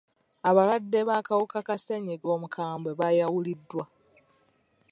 Abalwadde b'akawuka ka ssenyiga omukambwe bayawuliddwa.